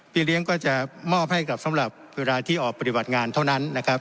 เลี้ยงก็จะมอบให้กับสำหรับเวลาที่ออกปฏิบัติงานเท่านั้นนะครับ